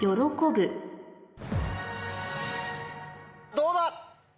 どうだ？